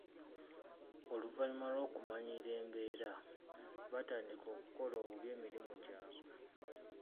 Oluvannyuma lw'okumanyiira embeera batandika okukola obubi emirimu gyabwe.